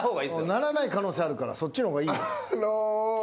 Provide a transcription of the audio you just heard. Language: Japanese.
鳴らない可能性あるからそっちの方がいいよ。